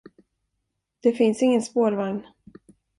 Det finns ingen spårvagn.